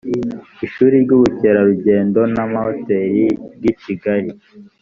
ishuri ry’ubukerarugendo n’amahoteli ry’i kigali